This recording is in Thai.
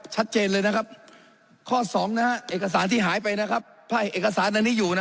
ชัดเจนเลยนะครับข้อสองนะฮะเอกสารที่หายไปนะครับถ้าเอกสารอันนี้อยู่นะ